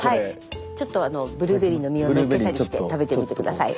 ちょっとブルーベリーの実をのっけたりして食べてみて下さい。